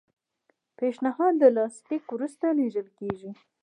پیشنهاد د لاسلیک وروسته لیږل کیږي.